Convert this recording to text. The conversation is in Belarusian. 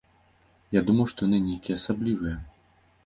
Я думаў, што яны нейкія асаблівыя?